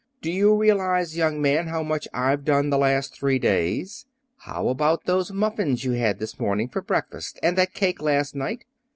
"Do you realize, young man, how much I've done the last three days? How about those muffins you had this morning for breakfast, and that cake last night?